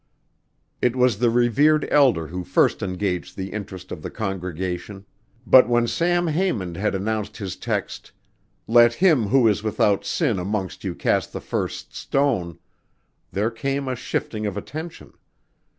It was the revered elder who first engaged the interest of the congregation, but when Sam Haymond had announced his text: "Let him who is without sin amongst you cast the first stone," there came a shifting of attention.